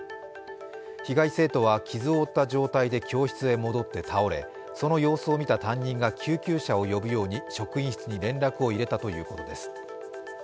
被害生徒は傷を負った状態で教室へ戻って倒れ、その様子を見た担任が救急車を呼ぶように職員室に連絡を入れたということです。